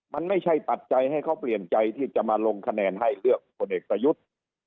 มันไม่ใช่ปัจจัยให้เขาเปลี่ยนใจที่จะมาลงคะแนนให้เลือกคนเอกประยุทธ์